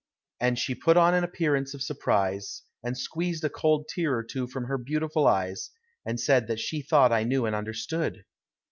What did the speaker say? And she put on an appearance of surprise, and squeezed a cold tear or two from her beautiful eyes, and said that she thought I knew and understood.